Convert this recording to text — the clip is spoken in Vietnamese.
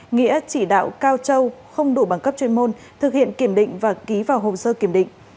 nghĩa chỉ đạo cao châu không đủ bằng cấp chuyên môn thực hiện kiểm định và ký vào hồ sơ kiểm định